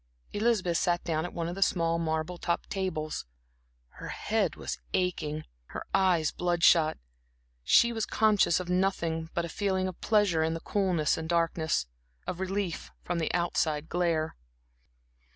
Elizabeth sat down at one of the small marble topped tables; her head was aching, her eyes blood shot, she was conscious of nothing but a feeling of pleasure in the coolness and darkness, of relief from the outside glare.